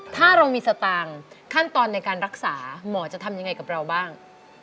ถ้าเรามีสตางค์ขั้นตอนในการรักษาหมอจะทำยังไงกับเราบ้าง